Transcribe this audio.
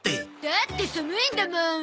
だって寒いんだもん。